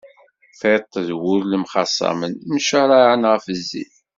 Tiṭ d wul mxaṣamen, mcaraɛen ɣef zzin.